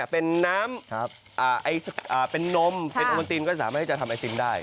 เป็นน้ำเป็นนมเป็นโอมนตินก็สามารถที่จะทำไอติมได้